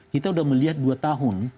kita sudah melihat dua tahun